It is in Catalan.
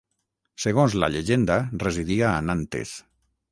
Segons la llegenda residia a Nantes.